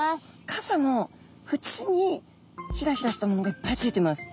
傘のふちにひらひらしたものがいっぱいついてます。